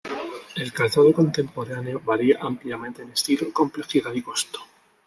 El calzado contemporáneo varía ampliamente en estilo, complejidad y costo.